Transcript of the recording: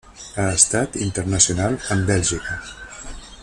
Ha estat internacional amb Bèlgica.